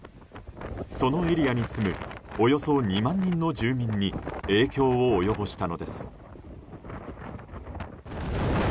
そのエリアに住むおよそ２万人の住民に影響を及ぼしたのです。